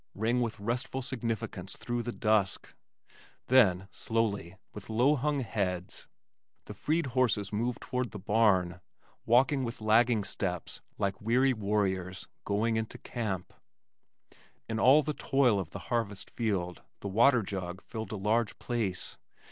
rang with restful significance through the dusk. Then, slowly, with low hung heads the freed horses moved toward the barn, walking with lagging steps like weary warriors going into camp. In all the toil of the harvest field, the water jug filled a large place.